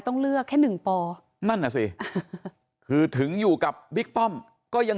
ต้องเลือกแค่หนึ่งปนั่นน่ะสิคือถึงอยู่กับบิ๊กป้อมก็ยัง